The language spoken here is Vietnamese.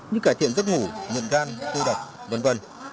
như cải thiện giấc ngủ nhận gan thu đọc v v